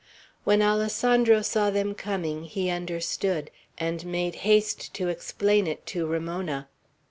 When Alessandro saw them coming, he understood, and made haste to explain it to Ramona.